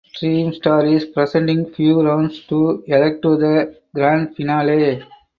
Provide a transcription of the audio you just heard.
Dream Star is presenting few rounds to elect to the grand finale.